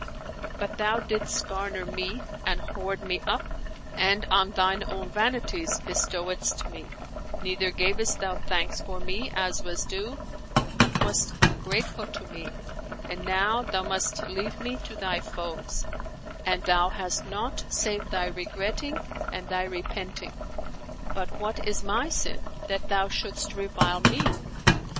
But thou didst garner me and hoard me up and on thine own vanities bestowedst me, neither gavest thou thanks for me, as was due, but wast ungrateful to me; and now thou must leave me to thy foes and thou hast naught save thy regretting and thy repenting. But what is my sin, that thou shouldest revile me?"